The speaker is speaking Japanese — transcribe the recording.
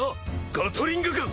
ガトリングガン！